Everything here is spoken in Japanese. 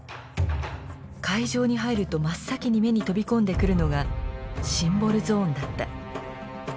会場に入ると真っ先に目に飛び込んでくるのがシンボルゾーンだった。